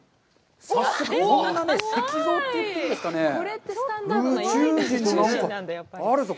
早速こんな石像って言っていいんですかね、宇宙人の何かあるぞ。